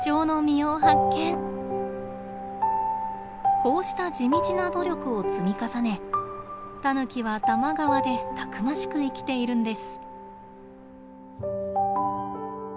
こうした地道な努力を積み重ねタヌキは多摩川でたくましく生きているんです。